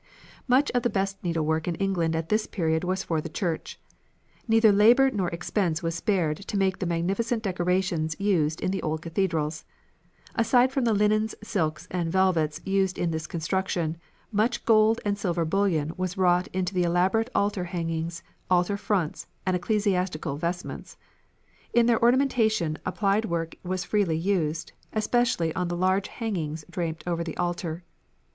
Much of the best needlework in England at this early period was for the church. Neither labour nor expense was spared to make the magnificent decorations used in the old cathedrals. Aside from the linens, silks, and velvets used in this construction, much gold and silver bullion was wrought into the elaborate altar hangings, altar fronts, and ecclesiastical vestments. In their ornamentation applied work was freely used, especially on the large hangings draped over the altar.